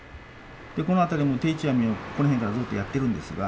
このあたりも定置網をこの辺からずっとやってるんですが。